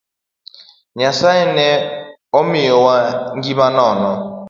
Nyasaye ne omiyowa ngima nono